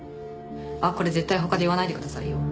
あっこれ絶対他で言わないでくださいよ。